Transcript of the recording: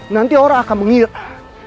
nanti orang akan mengira